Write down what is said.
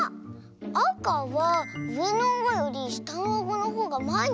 あかはうえのあごよりしたのあごのほうがまえにでてる！